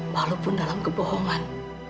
walaupun dalam kebohongan